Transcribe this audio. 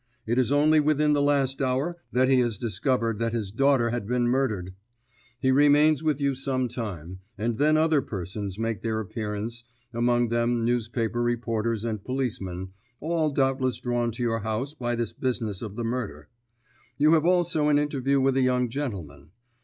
It is only within the last hour that he has discovered that his daughter had been murdered. He remains with you some time, and then other persons make their appearance, among them newspaper reporters and policemen, all doubtless drawn to your house by this business of the murder. You have also an interview with a young gentleman.